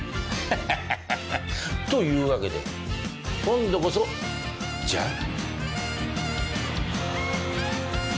ハハハハ！というわけで今度こそじゃあな。